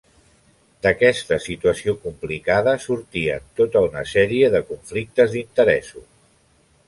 D'aquesta situació complicada sortien tota una sèrie de conflictes d'interessos.